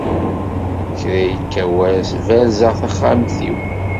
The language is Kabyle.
Kra yekka wass berzeɣ taxxamt iw.